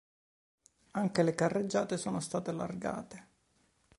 Anche le carreggiate sono state allargate.